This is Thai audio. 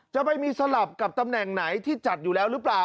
จะไปมีสลับกับตำแหน่งไหนที่จัดอยู่แล้วหรือเปล่า